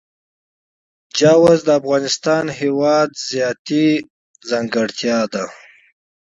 چار مغز د افغانستان هېواد یوه طبیعي ځانګړتیا ده.